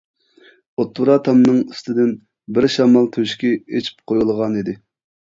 ئوتتۇرا تامنىڭ ئۈستىدىن بىر شامال تۆشۈكى ئېچىپ قويۇلغانىدى.